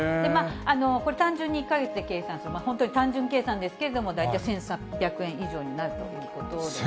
これ、単純に１か月で計算すると、本当に単純計算ですけれども、大体１３００円以上になるということです。